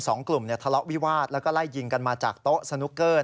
สองกลุ่มทะเลาะวิวาสแล้วก็ไล่ยิงกันมาจากโต๊ะสนุกเกอร์